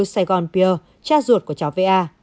saigon pier cha ruột của cháu va